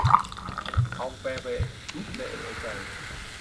Ong ve vệ đút nệ lưỡi cày